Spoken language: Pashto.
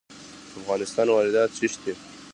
د افغانستان واردات څه دي؟